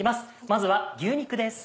まずは牛肉です。